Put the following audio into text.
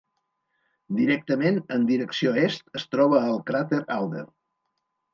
Directament en direcció est es troba el cràter Alder.